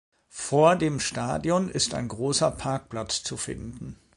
Vor dem Stadion ist ein großer Parkplatz zu finden.